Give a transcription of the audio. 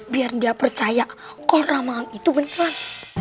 biar dia percaya kok ramalan itu beneran